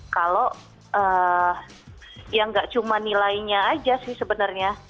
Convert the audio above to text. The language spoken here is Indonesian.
kalau yang nggak cuma nilainya aja sih sebenarnya